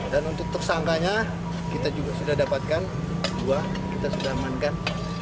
dan untuk tersangkanya kita juga sudah dapatkan dua kita sudah amankan